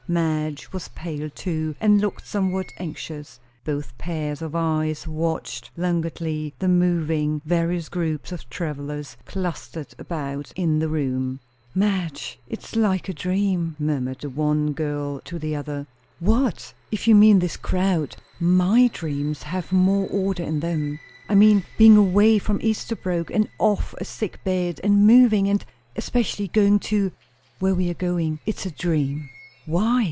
Madge was pale too, and looked somewhat anxious. Both pairs of eyes watched languidly the moving, various groups of travellers clustered about in the room. "Madge, it's like a dream!" murmured the one girl to the other. "What? If you mean this crowd, my dreams have more order in them." "I mean, being away from Esterbrooke, and off a sick bed, and moving, and especially going to where we are going. It's a dream!" "Why?"